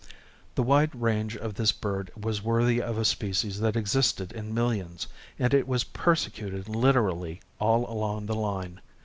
The wide range of this bird was worthy of a species that existed in millions, and it was persecuted literally all along the line.